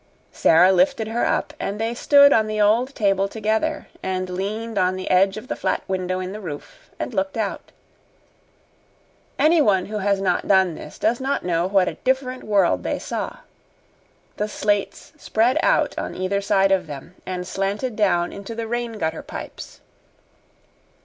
Sara lifted her up, and they stood on the old table together and leaned on the edge of the flat window in the roof, and looked out. Anyone who has not done this does not know what a different world they saw. The slates spread out on either side of them and slanted down into the rain gutter pipes.